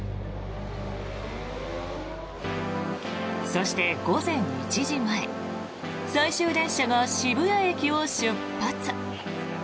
そして、午前１時前最終電車が渋谷駅を出発。